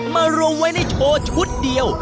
มารวมไว้ในโชว์ชุดเดียว